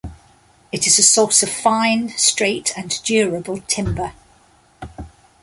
It is a source of fine, straight and durable timber.